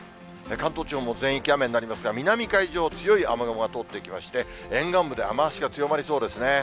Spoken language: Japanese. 関東地方も全域雨になりますが、南海上を強い雨雲が通っていきまして、沿岸部で雨足が強まりそうですね。